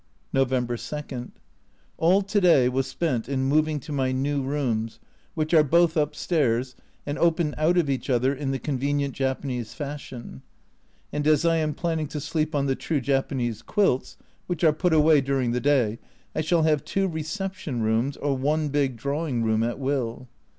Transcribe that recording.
November 2. All to day was spent in moving to my new rooms, which are both upstairs, and open out of each other in the convenient Japanese fashion, and as I am planning to sleep on the true Japanese quilts (which are put away during the day), I shall have two reception rooms, or one big drawing room, at will.